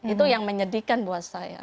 itu yang menyedihkan buat saya